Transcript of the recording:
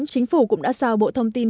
chính phủ cũng đã giao bộ thông tin